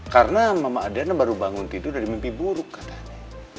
karena mama adriana baru bangun tidur dari mimpi buruk katanya